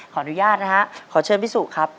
ขออนุญาตนะฮะขอเชิญพี่สุครับ